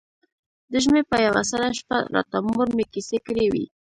د ژمي په يوه سړه شپه راته مور مې کيسې کړې وې.